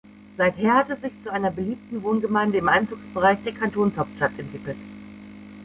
Seither hat es sich zu einer beliebten Wohngemeinde im Einzugsbereich der Kantonshauptstadt entwickelt.